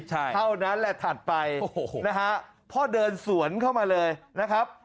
เท่านั้นแหละถัดไปนะฮะพ่อเดินสวนเข้ามาเลยนะครับ